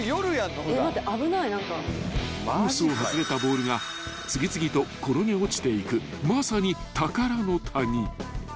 ［コースを外れたボールが次々と転げ落ちていくまさに宝の谷］